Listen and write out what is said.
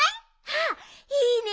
あっいいね！